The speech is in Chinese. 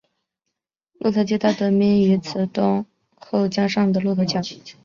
骆驼街道得名于慈东后江上的骆驼桥。